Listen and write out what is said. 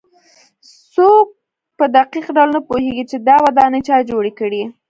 څوک په دقیق ډول نه پوهېږي چې دا ودانۍ چا جوړې کړې.